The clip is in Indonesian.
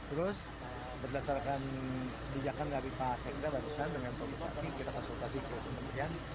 terus berdasarkan kebijakan dari pak sekda barusan dengan pemerintah kita konsultasi ke kementerian